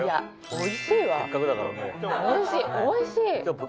おいしい！